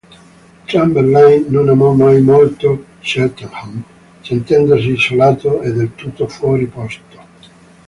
Chamberlain non amò mai molto Cheltenham, sentendosi isolato e del tutto fuori posto.